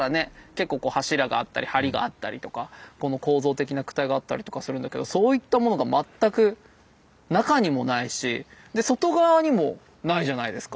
結構柱があったり梁があったりとか構造的な躯体があったりとかするんだけどそういったものが全く中にもないし外側にもないじゃないですか。